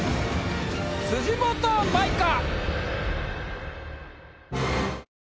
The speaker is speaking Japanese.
辻元舞か？